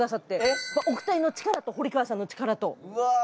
お二人の力と堀川さんの力と。